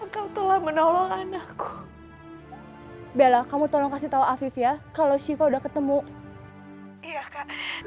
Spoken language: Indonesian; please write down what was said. engkau tolong menolong anakku bella kamu tolong kasih tahu afif ya kalau siva udah ketemu iya